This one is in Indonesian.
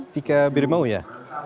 tika berimau ya